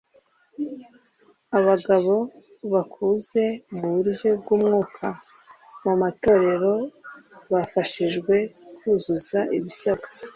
Abagabo bakuze mu buryo bw umwuka mu matorero bafashijwe kuzuza ibisabwa